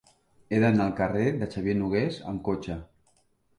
He d'anar al carrer de Xavier Nogués amb cotxe.